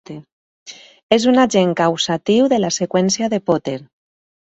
És un agent causatiu de la seqüència de Potter.